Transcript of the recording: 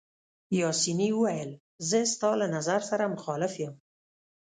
پاسیني وویل: زه ستا له نظر سره مخالف یم.